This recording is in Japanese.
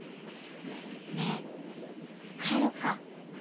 ねえ帰ろうか。